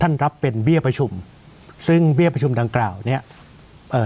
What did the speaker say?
รับเป็นเบี้ยประชุมซึ่งเบี้ยประชุมดังกล่าวเนี้ยเอ่อ